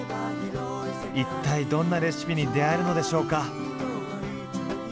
一体どんなレシピに出会えるのでしょうか？